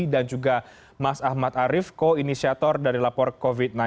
dan juga mas ahmad arief ko inisiatur dari lapor covid sembilan belas